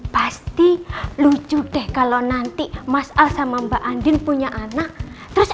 pasti lucu deh kalau nanti mas al sama mbak andin punya anak terus